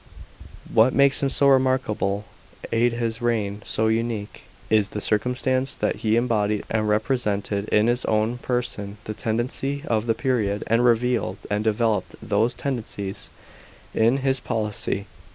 What makes him so remarkable aiid his reign so unique, is the circumstance that he embodied and repre sented in his own person the tendencies of the period, and revealed and developed those tendencies in his policy.